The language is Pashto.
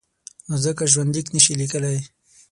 نو ځکه ژوندلیک نشي لیکلای.